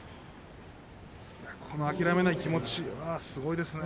この諦めない気持ちはすごいですね。